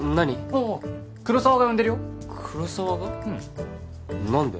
ああ黒沢が呼んでるよ黒沢が？何で？